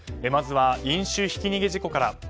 まずは飲酒ひき逃げ事故から。